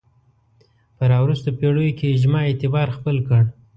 په راوروسته پېړیو کې اجماع اعتبار خپل کړ